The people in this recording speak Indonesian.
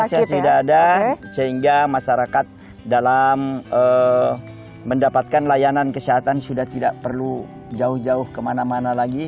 prosesnya sudah ada sehingga masyarakat dalam mendapatkan layanan kesehatan sudah tidak perlu jauh jauh kemana mana lagi